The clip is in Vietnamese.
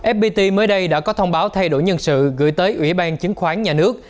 fpt mới đây đã có thông báo thay đổi nhân sự gửi tới ủy ban chứng khoán nhà nước